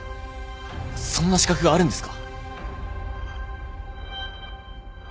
そんな資格があるんですか？